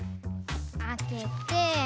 あけて。